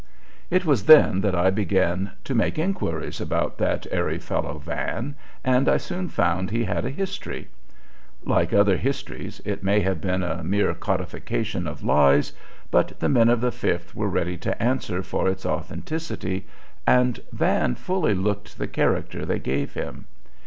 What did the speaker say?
It was then that I began to make inquiries about that airy fellow Van, and I soon found he had a history. Like other histories, it may have been a mere codification of lies; but the men of the Fifth were ready to answer for its authenticity, and Van fully looked the character they gave him.